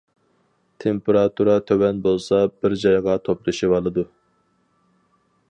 تېمپېراتۇرا تۆۋەن بولسا، بىر جايغا توپلىشىۋالىدۇ.